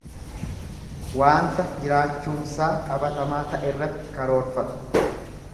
Waanta jiraachuunsaa qabatamaa ta'erratti karoorfatu.